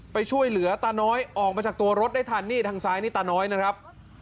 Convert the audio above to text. ไปช่วยเหลือตาน้อยออกมาจากตัวรถได้ทันนี่ทางซ้ายนี่ตาน้อยนะครับ